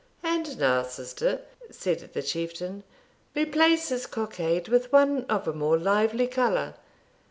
'And now, sister,' said the Chieftain, 'replace his cockade with one of a more lively colour.